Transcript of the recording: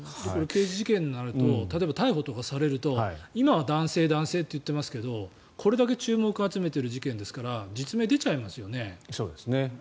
刑事事件になると例えば逮捕されると今は男性と言われていますがこれだけ注目を集めている事件ですから実名、出ちゃいますよね。